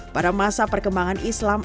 pada masa perkembangan islam